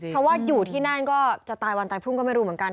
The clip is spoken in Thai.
เพราะว่าอยู่ที่นั่นก็จะตายวันตายพรุ่งก็ไม่รู้เหมือนกัน